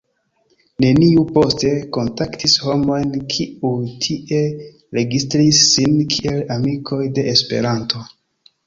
Neniu poste kontaktis homojn, kiuj tie registris sin kiel ”amikoj de Esperanto”.